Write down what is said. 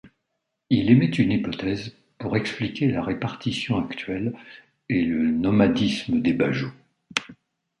Il émet une hypothèse pour expliquer la répartition actuelle et le nomadisme des Bajau.